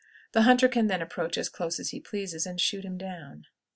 The hunter can then approach as close as he pleases and shoot him down.